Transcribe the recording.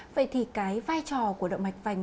vậy thì cái vai trò của động mạch vành